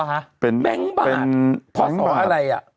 แบงก์บาทพอสออะไรอะ